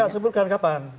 enggak sebutkan kapan